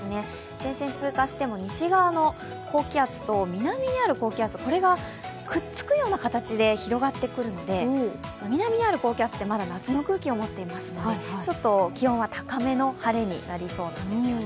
前線通過しても西側の高気圧と南にある高気圧がくっつくような形で広がっていくので南にある高気圧ってまだ夏の空気を持っていますのでちょっと気温は高めの晴れになりそうなんですよね。